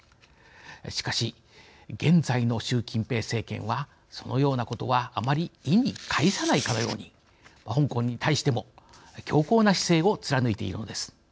しかし、現在の習近平政権はそのようなことはあまり意に介さないかのように香港に対しても強硬な姿勢を貫いているのです。